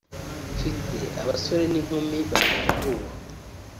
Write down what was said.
mfite abasore n’inkumi babitegura